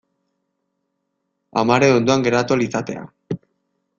Amaren ondoan geratu ahal izatea.